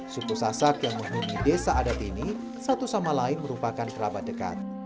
suku sasak yang menghuni desa adat ini satu sama lain merupakan kerabat dekat